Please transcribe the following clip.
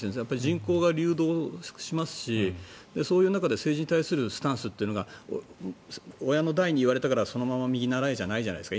人口が流動しますしそういう中で政治に対するスタンスというのが親の代に言われたからそのまま右に倣えじゃないじゃないですか。